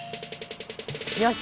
よし！